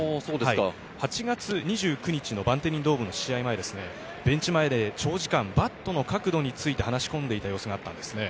８月２９日のバンテリンドームの試合でベンチ前で長時間バットの角度について話し合っていた様子がありました。